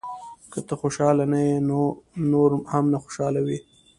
• که ته خوشحاله نه یې، نو نور هم نه خوشحالوې.